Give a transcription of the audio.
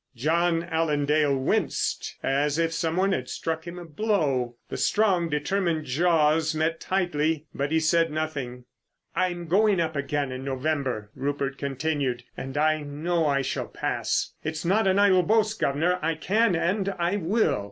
John Allen Dale winced as if some one had struck him a blow. The strong, determined jaws met tightly, but he said nothing. "I'm going up again in November," Rupert continued. "And I know I shall pass. It's not an idle boast, guv'nor. I can, and I will."